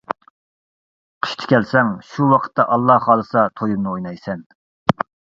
قىشتا كەلسەڭ شۇ ۋاقىتتا ئاللا خالىسا تويۇمنى ئوينايسەن.